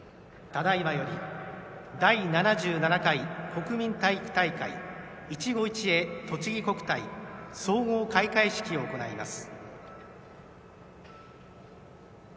ただいまより第７７回国民体育大会いちご一会とちぎ国体総合開会式を行います。